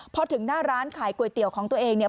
พอถึงหน้าร้านขายก๋วยเตี๋ยวของตัวเองเนี่ย